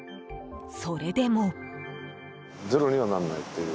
［それでも］